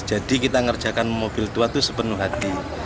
waktu sepenuh hati